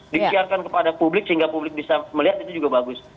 disiarkan kepada publik sehingga publik bisa melihat itu juga bagus